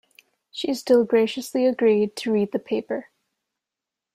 She still graciously agreed to read the paper.